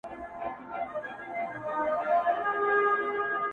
ته په ټولو کي راگورې! ته په ټولو کي يې نغښتې!